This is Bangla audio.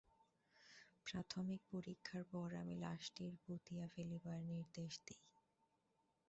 প্রথামিক পরীক্ষার পর আমি লাশটির পুঁতিয়া ফেলিবার নির্দেশ দেই।